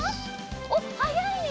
おっはやいね！